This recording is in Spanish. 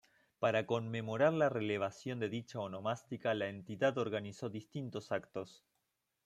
Para conmemorar la relevancia de dicha onomástica, la Entidad organizó distintos actos.